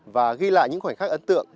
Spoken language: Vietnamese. và ghi lại những khoảnh khắc ấn tượng